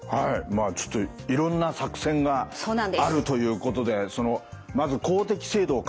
まあちょっといろんな作戦があるということでそのまず「公的制度を活用しよう」